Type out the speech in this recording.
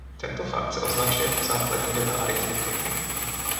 Tento fakt se označuje jako základní věta aritmetiky.